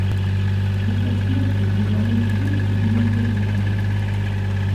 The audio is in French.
Les personnages peuvent désormais courir et glisser latéralement.